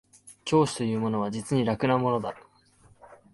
教師というものは実に楽なものだ